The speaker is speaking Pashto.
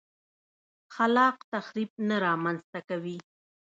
خلاق تخریب نه رامنځته کوي.